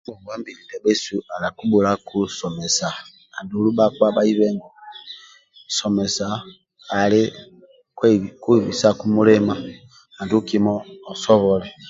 Aaaa ndia ndia ndia nkpa asemelelu kolai sabite nali kaya dhakililiai ali ku ali kwitekaniza tandika aah wiki ndietolo na bha noku nkpa nakiekolilia pulogulamu ndiaki sa jibe nti andiki ndia akiya kolai ka wiki ndia akiya tandikai.